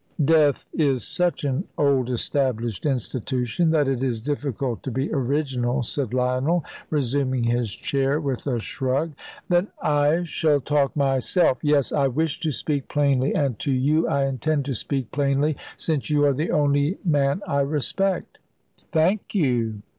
"Death is such an old established institution that it is difficult to be original," said Lionel, resuming his chair with a shrug. "Then I shall talk myself. Yes; I wish to speak plainly, and to you I intend to speak plainly, since you are the only man I respect." "Thank you!"